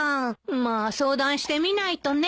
まあ相談してみないとね。